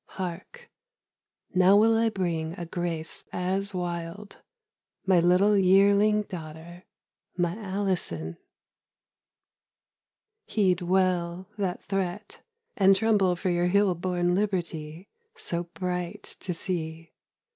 Hark, now will I bring A grace as wild, my little yearling daughter, My Alison. Heed well that threat; And tremble for your hill born liberty So bright to see!